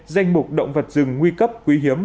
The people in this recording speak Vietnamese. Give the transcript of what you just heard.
danh mục động vật rừng nguy cấp quý hiếm